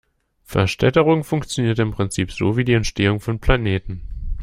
Verstädterung funktioniert im Prinzip so wie die Entstehung von Planeten.